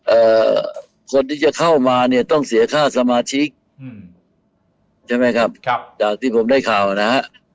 เอ่อคนที่จะเข้ามาเนี่ยต้องเสียค่าสมาชิกอืมใช่ไหมครับครับจากที่ผมได้ข่าวนะฮะ